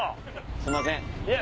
すんません。